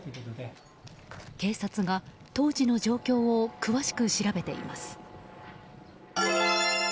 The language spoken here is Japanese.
警察が、当時の状況を詳しく調べています。